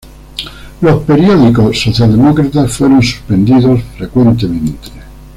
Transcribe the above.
Los periódicos socialdemócratas fueron suspendidos frecuentemente.